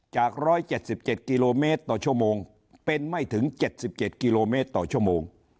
จาก๑๗๗กิโลเมตรต่อชั่วโมงเป็นไม่ถึง๗๗กิโลเมตรต่อชั่วโมง